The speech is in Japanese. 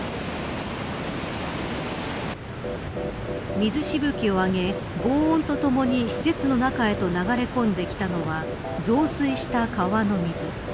水しぶきを上げごう音とともに施設の中へと流れ込んできたのは増水した川の水。